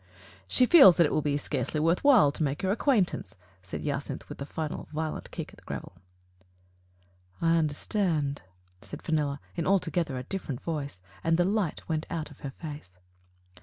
"She feels that it will be scarcely worth while to make your acquaintance," said Jacynth, with a final violent kick at the gravel. "I understand," said Fenella, in altogether a different voice, and the light went out of her face.